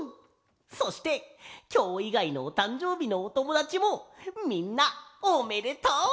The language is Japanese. そしてきょういがいのおたんじょうびのおともだちもみんなおめでとう！